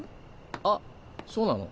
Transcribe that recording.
あっそうなの？